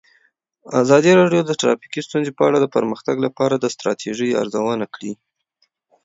ازادي راډیو د ټرافیکي ستونزې په اړه د پرمختګ لپاره د ستراتیژۍ ارزونه کړې.